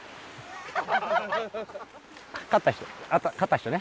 勝った人ね。